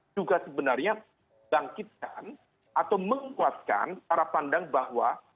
juga sebenarnya bangkitkan atau menguatkan arah pandang bahwa